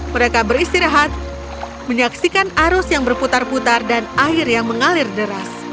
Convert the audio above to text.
mereka beristirahat menyaksikan arus yang berputar putar dan air yang mengalir deras